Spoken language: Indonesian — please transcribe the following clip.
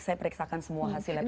saya periksakan semua hasil lab saya